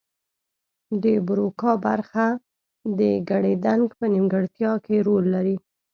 د بروکا برخه د ګړیدنګ په نیمګړتیا کې رول لري